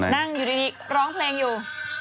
นั่งอยู่ดีร้องเพลงอยู่